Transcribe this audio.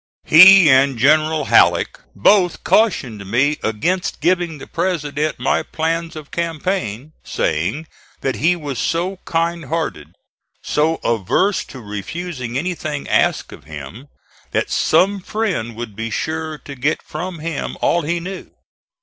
He and General Halleck both cautioned me against giving the President my plans of campaign, saying that he was so kind hearted, so averse to refusing anything asked of him, that some friend would be sure to get from him all he knew.